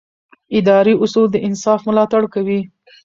اداري اصول د انصاف ملاتړ کوي.